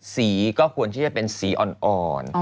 สีก็ควรที่จะเป็นสีอ่อน